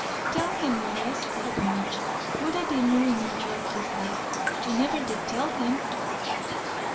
"Tell him, Lois," cried Madge, "what a dinner in New York is like. You never did tell him."